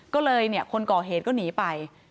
ก็เลยคนก่อเหตุก็หนีไป